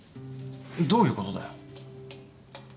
どういうことだよ？